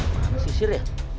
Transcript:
mana sisir ya